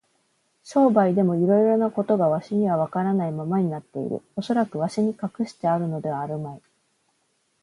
商売でもいろいろなことがわしにはわからないままになっている。おそらくわしに隠してあるのではあるまい。